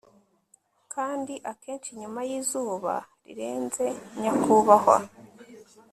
kandi akenshi nyuma y'izuba rirenze, nyakubahwa